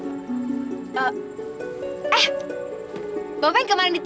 ih sebenarnya bapak kemarin di tv kan